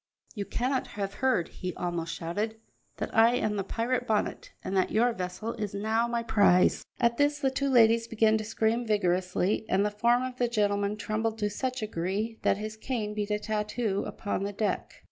"You cannot have heard," he almost shouted, "that I am the pirate Bonnet, and that your vessel is now my prize." At this the two ladies began to scream vigorously, and the form of the gentleman trembled to such a degree that his cane beat a tattoo upon the deck.